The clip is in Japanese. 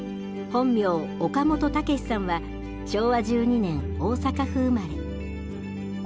本名岡本武士さんは昭和１２年大阪府生まれ。